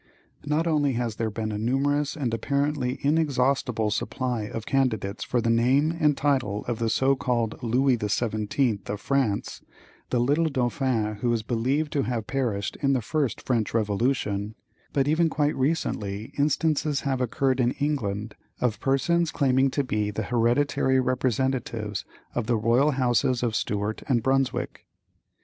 Not only has there been a numerous and apparently inexhaustible supply of candidates for the name and title of the so called "Louis the Seventeenth" of France, the little Dauphin who is believed to have perished in the first French revolution, but even quite recently instances have occurred in England of persons claiming to be the hereditary representatives of the royal houses of Stuart and Brunswick.